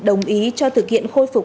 đồng ý cho thực hiện khôi phục